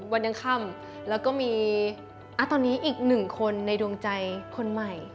วันยังค่ำแล้วก็มีตอนนี้อีกหนึ่งคนในดวงใจคนใหม่